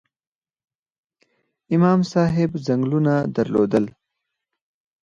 امام صاحب ځنګلونه درلودل؟